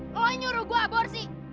lo nyuruh gue aborsi